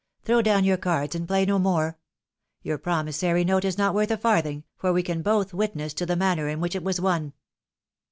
Throw down your cards and play no more. Your promissory note is not worth a farthing, for we can both witness to the manner in which it was won."